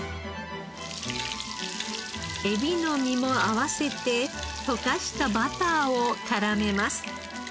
えびの身も合わせて溶かしたバターを絡めます。